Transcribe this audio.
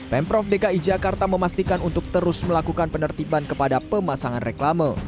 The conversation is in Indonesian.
pemprov dki jakarta memastikan untuk terus melakukan penertiban kepada pemasangan reklame